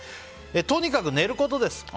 とにかく寝ることです。